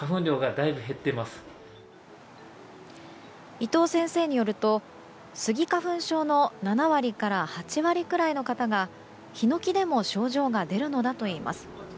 伊東先生によるとスギ花粉症の７割から８割ぐらいの方がヒノキでも症状が出るのだといいます。